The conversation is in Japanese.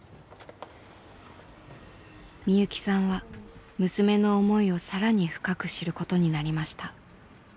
みゆきさんは娘の思いを更に深く知ることになりました。